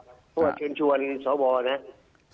เพราะว่าเชิญชวนสวนะครับ